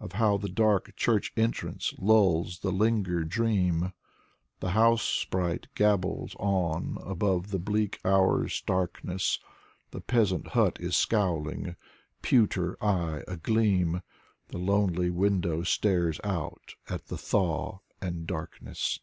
Of how the dark church entrance lulls the linger dream. The house sprite gabbles on above the bleak hour's stark ness. The peasant hut is scowling ; pewter eye agleam, The lonely window stares out at the thaw and darkness.